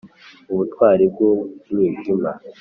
Mu butware bw umwijima